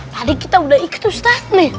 tadi kita udah ikut ustadz nih